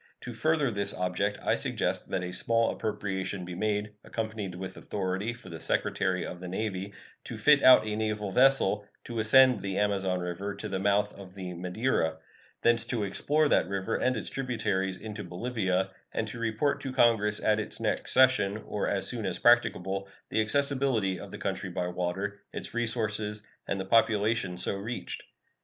To further this object I suggest that a small appropriation be made, accompanied with authority for the Secretary of the Navy to fit out a naval vessel to ascend the Amazon River to the mouth of the Madeira; thence to explore that river and its tributaries into Bolivia, and to report to Congress at its next session, or as soon as practicable, the accessibility of the country by water, its resources, and the population so reached.